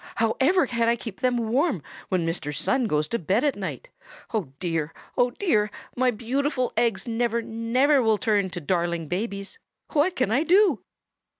'However can I keep them warm when Mr. Sun goes to bed at night? Oh, dear! Oh, dear! My beautiful eggs never, never will turn to darling babies! What can I do?'